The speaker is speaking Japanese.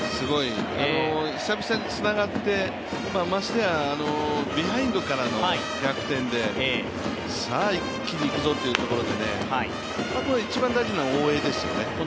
久々につながってましてはビハインドからの逆転でさあ一気にいくぞというところでね、一番大事なのは大江ですね。